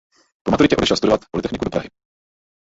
Po maturitě odešel studovat polytechniku do Prahy.